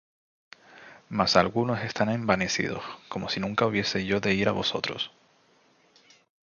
Mas algunos están envanecidos, como si nunca hubiese yo de ir á vosotros.